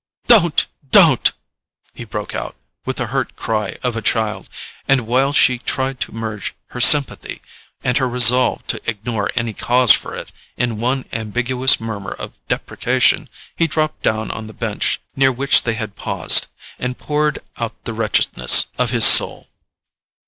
"Don't—don't——!" he broke out, with the hurt cry of a child; and while she tried to merge her sympathy, and her resolve to ignore any cause for it, in one ambiguous murmur of deprecation, he dropped down on the bench near which they had paused, and poured out the wretchedness of his soul.